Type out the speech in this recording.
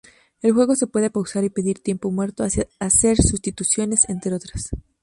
El juego se puede pausar y pedir tiempo muerto, hacer sustituciones, entre otras.